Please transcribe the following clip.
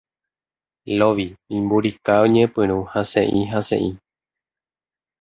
Lovi, imburika oñepyrũ hasẽ'ihasẽ'i.